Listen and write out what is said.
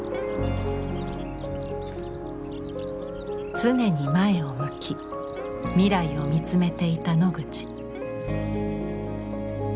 常に前を向き未来を見つめていたノグチ。